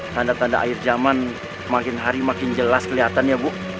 tanda tanda akhir jaman makin hari makin jelas keliatan ya bu